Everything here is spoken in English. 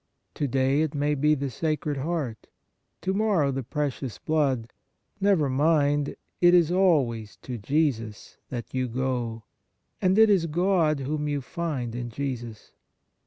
To day it may be the Sacred Heart, to morrow the Precious Blood; never mind, it is always to Jesus that you go, and it is God whom you find in Jesus.